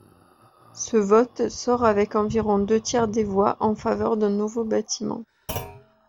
Ce vote sort avec environ deux tiers des voix en faveur d'un nouveau bâtiment.